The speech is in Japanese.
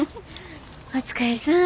お疲れさん。